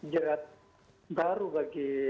jerat baru bagi